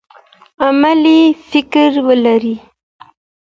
علمي فکر ولرئ.